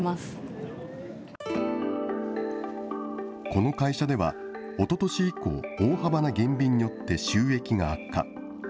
この会社では、おととし以降、大幅な減便によって収益が悪化。